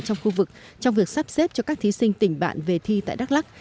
trong khu vực trong việc sắp xếp cho các thí sinh tỉnh bạn về thi tại đắk lắc